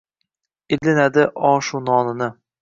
Ilinadi oshu nonini